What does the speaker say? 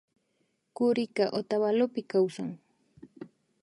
Kurika Otavalopi kawsan